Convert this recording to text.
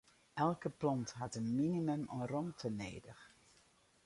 Elke plant hat in minimum oan romte nedich.